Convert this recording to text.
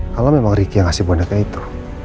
kalau memang riki yang ngasih boneka itu